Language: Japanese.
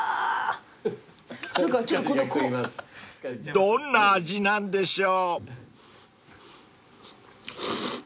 ［どんな味なんでしょう］